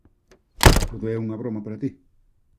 Todo é unha broma para ti?